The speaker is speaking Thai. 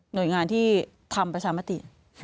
โดยงานที่ทำประชามติ